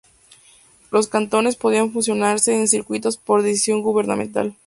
Los cantones podían fusionarse en circuitos por decisión gubernamental.